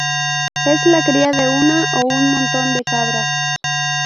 Es la cría de una o un montón de cabras.